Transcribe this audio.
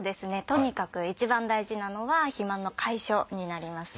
とにかく一番大事なのは肥満の解消になります。